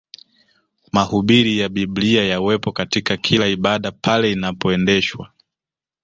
Mahubiri ya Biblia yawepo katika kila ibada pale inapoendeshwa